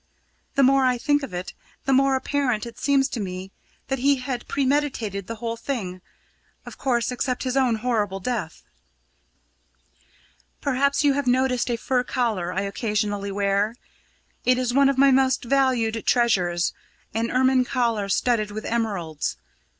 The more I think of it, the more apparent it seems to me that he had premeditated the whole thing of course, except his own horrible death. "Perhaps you have noticed a fur collar I occasionally wear. It is one of my most valued treasures an ermine collar studded with emeralds.